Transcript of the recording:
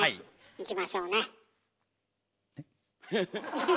いきましょうね。